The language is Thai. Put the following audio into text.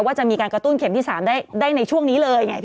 ว่าจะมีการกระตุ้นเข็มที่๓ได้ในช่วงนี้เลยไง